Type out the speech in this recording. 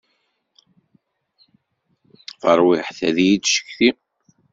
Tarwiḥt ad yi-d-tcetki.